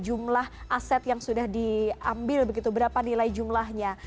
jumlah aset yang sudah diambil begitu berapa nilai jumlahnya